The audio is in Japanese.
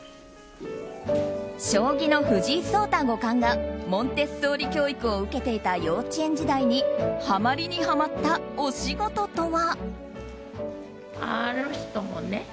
将棋の藤井聡太五冠がモンテッソーリ教育を受けていた幼稚園時代にハマりにハマったおしごととは。